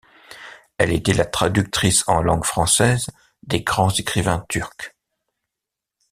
Elle était la traductrice en langue française des grands écrivains turcs.